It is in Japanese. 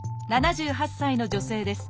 ７８歳の女性です。